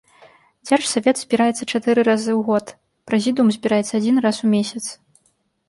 Дзяржсавет збіраецца чатыры раза ў год, прэзідыум збіраецца адзін раз у месяц.